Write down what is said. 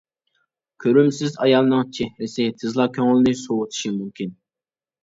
كۆرۈمسىز ئايالنىڭ چېھرىسى تېزلا كۆڭۈلنى سوۋۇتۇشى مۇمكىن.